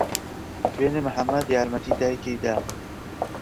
دوێنێ محەممەد یارمەتی دایکی دا؟